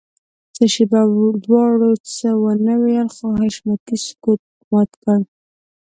څه شېبه دواړو څه ونه ويل خو حشمتي سکوت مات کړ.